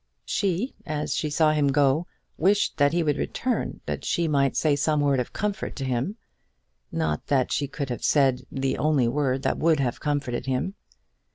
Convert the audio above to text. She, as she saw him go, wished that he would return that she might say some word of comfort to him. Not that she could have said the only word that would have comforted him.